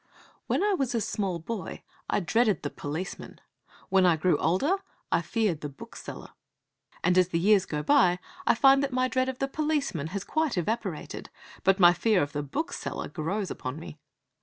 IV When I was a small boy I dreaded the policeman; when I grew older I feared the bookseller. And as the years go by I find that my dread of the policeman has quite evaporated, but my fear of the bookseller grows upon me.